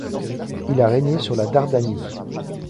Il a régné sur la Dardanie.